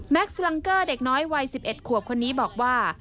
สลังเกอร์เด็กน้อยวัย๑๑ขวบคนนี้บอกว่า